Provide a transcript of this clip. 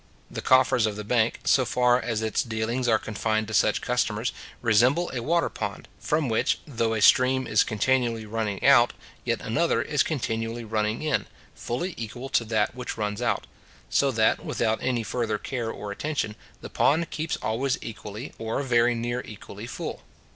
The coffers of the bank, so far as its dealings are confined to such customers, resemble a water pond, from which, though a stream is continually running out, yet another is continually running in, fully equal to that which runs out; so that, without any further care or attention, the pond keeps always equally, or very near equally full.